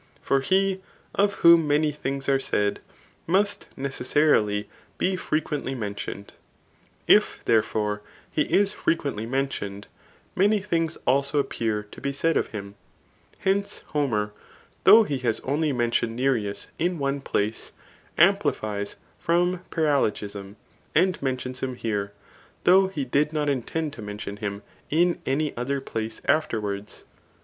For he, of whom many things are said, must necessarily CHAP. XII. RHBTORIC. 95S be frequently mentioned^ If» therefore, he is frequently mentioned, many things also appear to be said of hinu Hence Homer, though he has only mentioned Nireus in one place, amplifies from paralogism^ ' and mentions him here, though he did not intend to mention him in any other place afterwards.